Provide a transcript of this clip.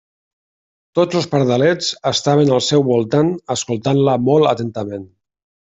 Tots els pardalets estaven al seu voltant escoltant-la molt atentament.